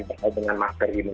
terkait dengan masker ini